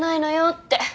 って。